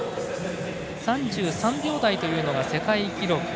３３秒台というのが世界記録。